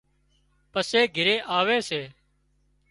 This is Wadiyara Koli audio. پسي گھري آوي سي